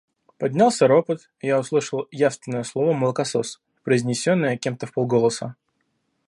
Поднялся ропот, и я услышал явственно слово «молокосос», произнесенное кем-то вполголоса.